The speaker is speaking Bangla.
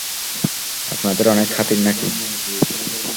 আপনাদের অনেক খাতির নাকি?